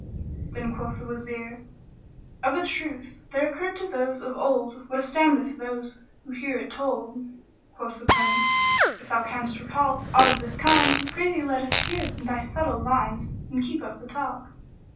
Then quoth the Wazir "Of a truth, there occurred to those of old what astoundeth those who hear it told." Quoth the Prince, "If thou canst recall aught of this kind, prithee let us hear thy subtle lines and keep up the talk."